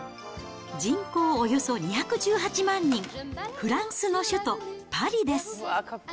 人口およそ２１８万人、フランスの首都パリです。